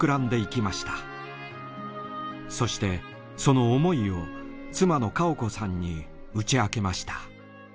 そしてその思いを妻の薫子さんに打ち明けました。